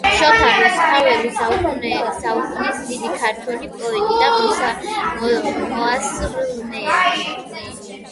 შოთა რუსთველი საუკუნის დიდი ქართველი პოეტი და მოაზროვნე